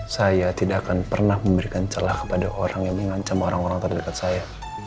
saya tidak akan pernah memberikan celah kepada orang yang mengancam orang orang terdekat saya